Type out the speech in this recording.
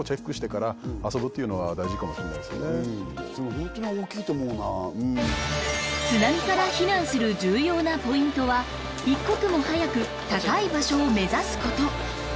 ホントに大きいと思うな津波から避難する重要なポイントは一刻も早く高い場所を目指すこと